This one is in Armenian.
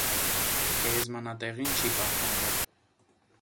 Գերեզմանատեղին չի պահպանվել։